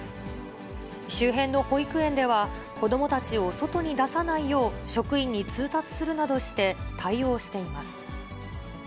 周辺の保育園では、子どもたちを外に出さないよう、職員に通達するなどして、対応しています。